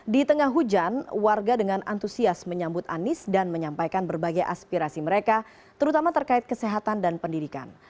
di tengah hujan warga dengan antusias menyambut anies dan menyampaikan berbagai aspirasi mereka terutama terkait kesehatan dan pendidikan